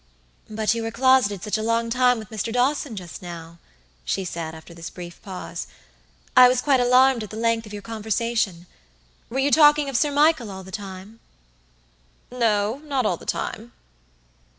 "But you were closeted such a long time with Mr. Dawson, just now," she said, after this brief pause. "I was quite alarmed at the length of your conversation. Were you talking of Sir Michael all the time?" "No; not all the time?"